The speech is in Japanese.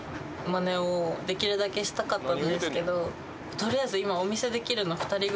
取りあえず今。